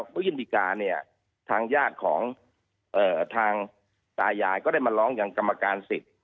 เมื่อยื่นดีการเนี่ยทางญาติของทางตายายก็ได้มาร้องยังกรรมการสิทธิ์